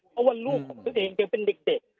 เพราะว่าลูกของเขาเองเดียวเป็นเด็ก